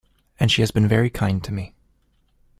And she has been very kind to me.